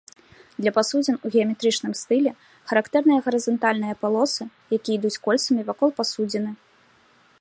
Для пасудзін у геаметрычным стылі характэрныя гарызантальныя палосы, якія ідуць кольцамі вакол пасудзіны.